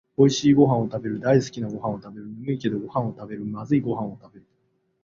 おいしいごはんをたべる、だいすきなごはんをたべる、ねむいけどごはんをたべる、まずいごはんをたべる